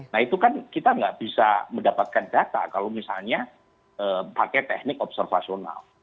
nah itu kan kita nggak bisa mendapatkan data kalau misalnya pakai teknik observasional